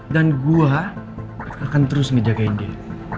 dan gue akan terus ngejagain dia